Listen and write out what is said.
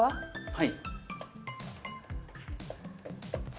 はい。